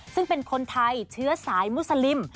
ซึ่งเป็นคนไทยเชื้อสายมุสลิม